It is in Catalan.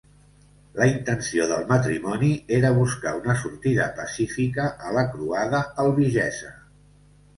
La intenció del matrimoni era buscar una sortida pacífica a la Croada albigesa.